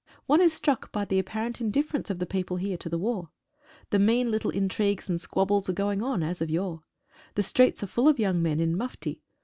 One is struck by the apparent indifference of the people here to the war. The mean little intrigues and squabbles are going on as of yore. The streets are full of young men in mufti.